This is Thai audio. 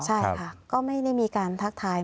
ใช่ค่ะก็ไม่ได้มีการทักทาย